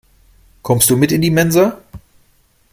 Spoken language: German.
Kommst du mit in die Mensa?